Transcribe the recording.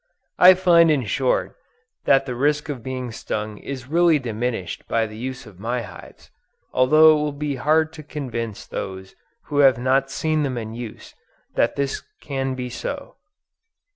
I find in short, that the risk of being stung is really diminished by the use of my hives; although it will be hard to convince those who have not seen them in use, that this can be so.